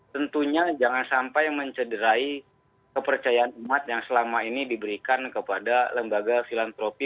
tentunya jangan sampai mencederai kepercayaan umat yang selama ini diberikan kepada lembaga filantropi